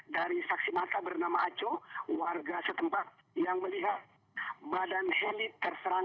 dari saksi mata bernama aco warga setempat yang melihat badan heli terserang